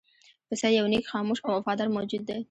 پسه یو نېک، خاموش او وفادار موجود دی.